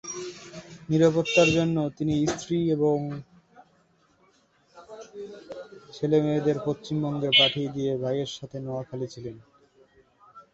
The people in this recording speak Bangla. নিরাপত্তার জন্য তিনি তার স্ত্রী এবং ছেলেমেয়েদের পশ্চিমবঙ্গে পাঠিয়ে দিয়ে ভাইয়ের সাথে নোয়াখালী ছিলেন।